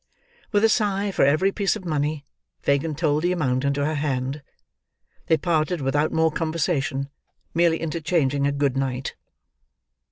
With a sigh for every piece of money, Fagin told the amount into her hand. They parted without more conversation, merely interchanging a "good night."